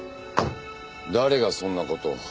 誰がそんな事を。